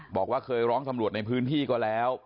บอกว่าเคยร้องตำรวจในพื้นที่ก็แล้ว